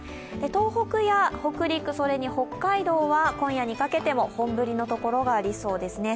東北や北陸、それに北海道は今夜にかけても本降りの所がありそうですね。